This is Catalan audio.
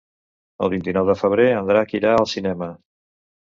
El vint-i-nou de febrer en Drac irà al cinema.